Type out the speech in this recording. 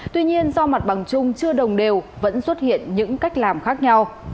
tuy nhiên do mặt bằng chung chưa đồng đều vẫn xuất hiện những cách làm khác nhau